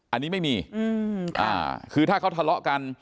อันนี้ไม่มีคือถ้าเขาทะเลาะกัน